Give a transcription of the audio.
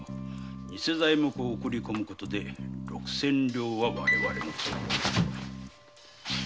偽材木を送り込むことで六千両は我々の懐に。